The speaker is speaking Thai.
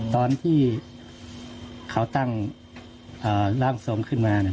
ตอนที่เขาตั้งเอ่อล่างทรงขึ้นมาเนี่ย